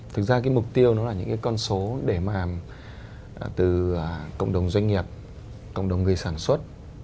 thực ra cái mục tiêu nó là những cái con số để mà từ cộng đồng doanh nghiệp cộng đồng người sản xuất